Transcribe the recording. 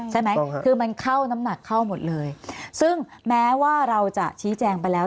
ใช่ไหมคือมันเข้าน้ำหนักเข้าหมดเลยซึ่งแม้ว่าเราจะชี้แจงไปแล้ว